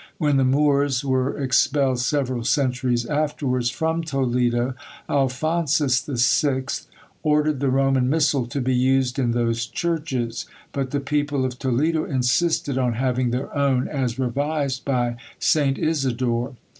When the Moors were expelled several centuries afterwards from Toledo, Alphonsus the Sixth ordered the Roman missal to be used in those churches; but the people of Toledo insisted on having their own, as revised by St. Isidore.